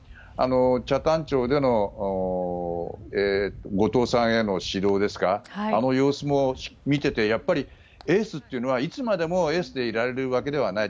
北谷町での後藤さんへの指導ですかあの様子も見ていてエースというのはいつまでもエースでいられるわけではない。